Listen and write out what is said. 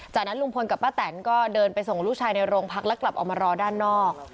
จากนั้นลุงพลกับป้าแตนก็เดินไปส่งลูกชายในโรงพักแล้วกลับออกมารอด้านนอก